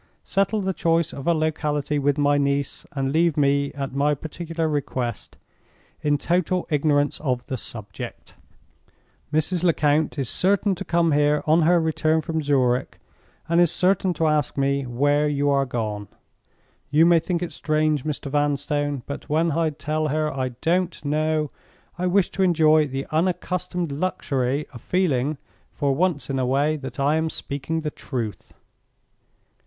Settle the choice of a locality with my niece, and leave me, at my particular request, in total ignorance of the subject. Mrs. Lecount is certain to come here on her return from Zurich, and is certain to ask me where you are gone. You may think it strange, Mr. Vanstone; but when I tell her I don't know, I wish to enjoy the unaccustomed luxury of feeling, for once in a way, that I am speaking the truth!"